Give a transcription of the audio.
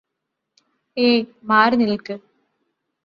hey മാറി നില്ക്ക്